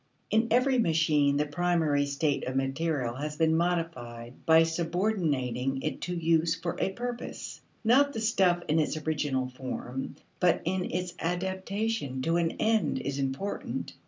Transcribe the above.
In every machine the primary state of material has been modified by subordinating it to use for a purpose. Not the stuff in its original form but in its adaptation to an end is important.